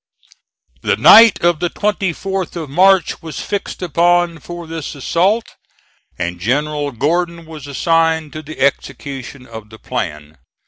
The night of the 24th of March was fixed upon for this assault, and General Gordon was assigned to the execution of the plan.